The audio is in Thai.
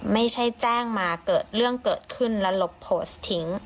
ไม่ใช่แจ้งมาเกิดเรื่องเกิดขึ้นแล้วลบโพสต์ทิ้ง